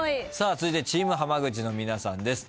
続いてチーム浜口の皆さんです。